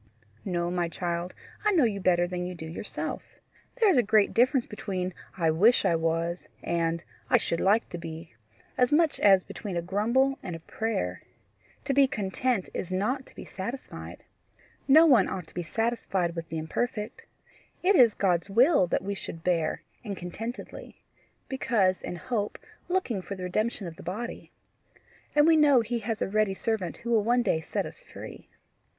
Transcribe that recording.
"No, my child; I know you better than you do yourself. There is a great difference between I WISH I WAS and I SHOULD LIKE TO BE as much as between a grumble and a prayer. To be content is not to be satisfied. No one ought to be satisfied with the imperfect. It is God's will that we should bear, and contentedly because in hope, looking for the redemption of the body. And we know he has a ready servant who will one day set us free."